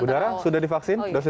bu dara sudah divaksin dosis satu